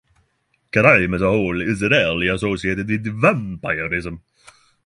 Crime as a whole is rarely associated with vampirism.